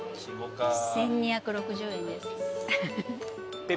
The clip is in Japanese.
１，２６０円です。